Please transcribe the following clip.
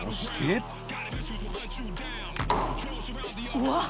うわっ。